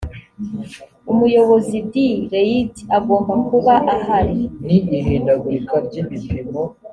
umuyobozi d reit agomba kuba ahari